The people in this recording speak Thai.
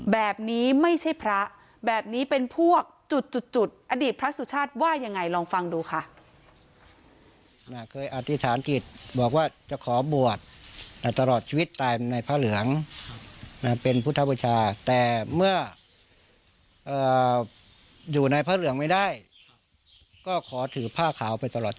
แบบนี้ไม่ใช่พระแบบนี้เป็นพวกจุดอดีตพระสุชาติว่ายังไงลองฟังดูค่ะ